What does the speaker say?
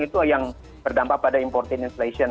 itu yang berdampak pada importation insulation